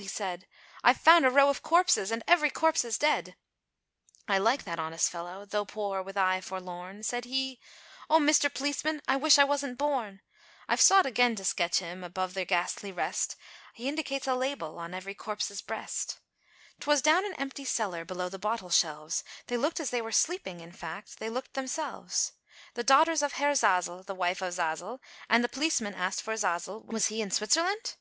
he said, "I've found a row of corpses, and every corpse is dead!" I like that honest fellow, tho' poor, with eye forlorn, Said he, "O Mister Pleeceman, I wish I wasn't born" I've sought again to sketch him, above their ghastly rest, He indicates a label, on every corpse's breast. 'Twas down an empty cellar, below the bottle shelves, They looked as they were sleeping, in fact, they looked themselves, The daughters of Herr Zazel, the wife of Zazel, and The Pleeceman asked for Zazel, was he in Switzerland?